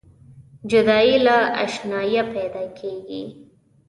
جدایي له اشناییه پیداکیږي.